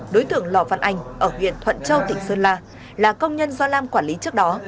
đối tượng lò văn anh ở huyện thuận châu tỉnh sơn la là công nhân do lam quản lý trước đó